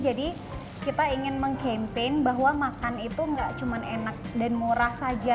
jadi kita ingin meng campaign bahwa makan itu nggak cuma enak dan murah saja